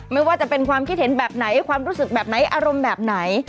ไม่ว่าจะเป็นความคิดเห็นแบบไหนความรู้สึกแบบไหนอารมณ์แบบไหน